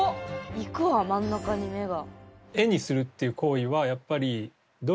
行くわ真ん中に目が。